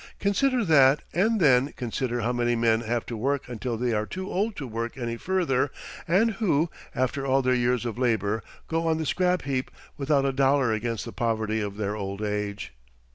Consider that and then consider how many men have to work until they are too old to work any further and who, after all their years of labor, go on the scrap heap without a dollar against the poverty of their old age.